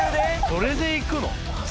それでいくの？